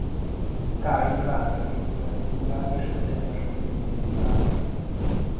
Kain vámpírként születik újjá és az Egyensúly őrévé válik.